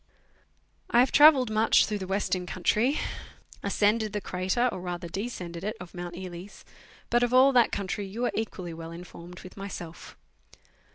I have travelled much through the Western country, ascended the crater (or rather descended it) of Mount Eeles ; but of all that country you are equally well informed with myself.